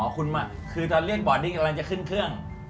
อ๋อคุณคือตอนเรียกบอร์ดที่กำลังจะขึ้นเครื่อง